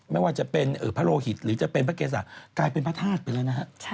ไม่ว่าจะเป็นพระโลหิตหรือจะเป็นพระเกษากลายเป็นพระธาตุไปแล้วนะฮะ